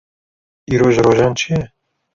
Îro ji rojan çi ye?